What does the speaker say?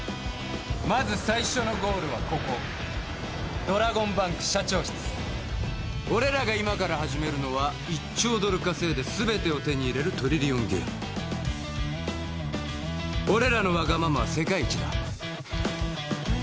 まず最初のゴールはここドラゴンバンク社長室俺らが今から始めるのは１兆ドル稼いで全てを手に入れるトリリオンゲーム俺らのワガママは世界一だ